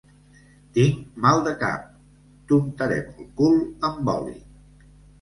Tinc mal de cap. —T'untarem el cul amb oli.